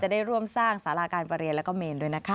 ได้ร่วมสร้างสาราการประเรียนแล้วก็เมนด้วยนะคะ